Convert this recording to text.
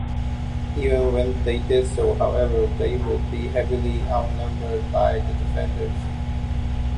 Even when they did so, however, they would be heavily outnumbered by the defenders.